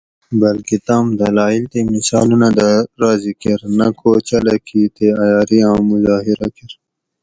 بلکہ تم دلائل تے مثالونہ دہ راضی کۤر نہ کو چالاکی تے عیاریاں مظاہرہ کر